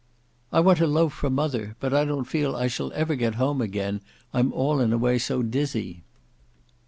"I want a loaf for mother; but I don't feel I shall ever get home again, I'm all in a way so dizzy."